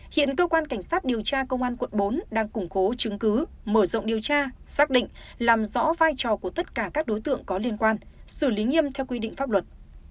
hiện cơ quan cảnh sát điều tra công an quận bốn đang củng cố chứng cứ mở rộng điều tra xác định làm rõ vai trò của tất cả các đối tượng có liên quan xử lý nghiêm theo quy định pháp luật